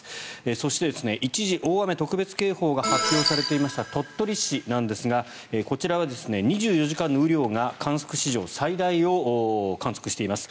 そして、一時、大雨特別警報が発表されていました鳥取市ですがこちらは２４時間の雨量が観測史上最大を観測しています。